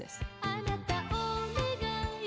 「あなたお願いよ」